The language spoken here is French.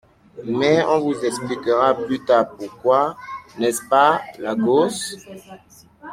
Mais on vous expliquera plus tard pourquoi ; n’est-ce pas, la gosse ?